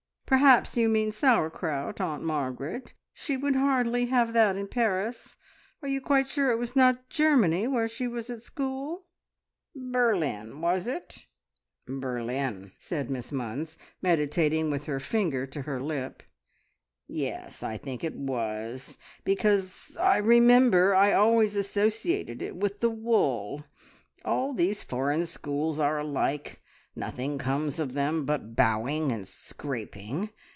"Perhaps you mean sauerkraut, Aunt Margaret. She would hardly have that in Paris. Are you quite sure it was not Germany where she was at school?" "Berlin, was it? Berlin!" said Miss Munns, meditating with her finger to her lip. "Yes, I think it was, because I remember I always associated it with the wool. All these foreign schools are alike. Nothing comes of them but bowing and scraping.